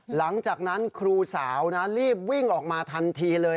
หลังจากนั้นครูสาวนะรีบวิ่งออกมาทันทีเลย